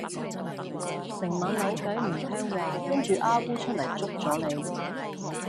成晚扭計唔聽話因住虓䰧出噄捉咗你